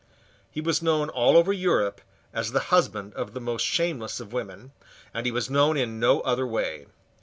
He was known all over Europe as the husband of the most shameless of women; and he was known in no other way.